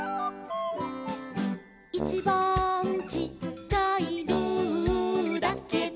「いちばんちっちゃい」「ルーだけど」